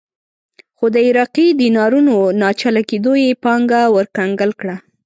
خو د عراقي دینارونو ناچله کېدو یې پانګه ورکنګال کړه.